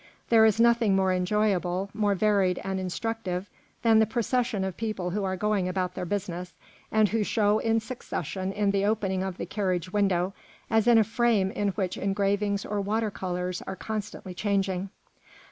There is nothing more enjoyable, more varied and instructive than the procession of people who are going about their business and who show in succession in the opening of the carriage window, as in a frame in which engravings or water colours are constantly changing.